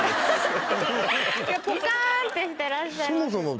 ポカーンってしてらっしゃいますね。